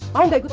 mau gak ikut om